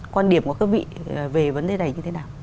quan điểm của các vị về vấn đề này như thế nào